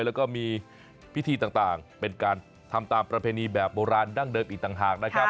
แล้วก็มีพิธีต่างเป็นการทำตามประเพณีแบบโบราณดั้งเดิมอีกต่างหากนะครับ